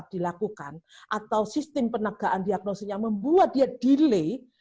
kalau dia tidak bisa dilakukan atau sistem penegaan diagnosenya membuat dia delay